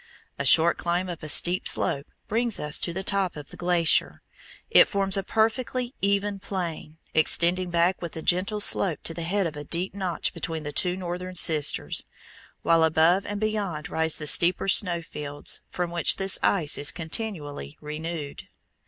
A short climb up a steep slope brings us to the top of the glacier. It forms a perfectly even plain, extending back with a gentle slope to the head of a deep notch between the two northern Sisters, while above and beyond rise the steeper snow fields, from which this ice is continually renewed.